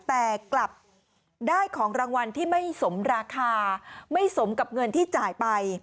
แต่กลับได้ของรางวัลที่ไม่สมราคาไม่สมกับเงินที่จ่ายไป